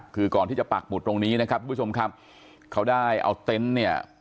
คือก่อนที่จะปักหมุดตรงนี้นะครับทุกผู้ชมครับเขาได้เอาเต็นต์เนี่ย